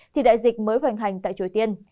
thì đại dịch mới hoành hành tại triều tiên